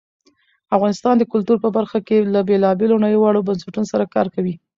افغانستان د کلتور په برخه کې له بېلابېلو نړیوالو بنسټونو سره کار کوي.